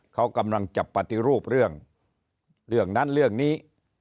เขากำลังจะปฏิรูปเรื่องเรื่องนั้นเรื่องนี้